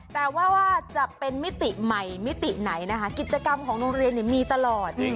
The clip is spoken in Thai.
แต่ว่าว่าจะเป็นมิติใหม่มิติไหนนะคะกิจกรรมของโรงเรียนมีตลอด